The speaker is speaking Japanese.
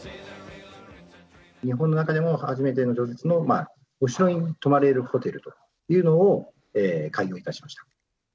日本の中でも初めての常設のお城に泊まれるホテルというのを開業いたしました。